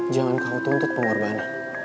jangan kau tuntut pengorbanan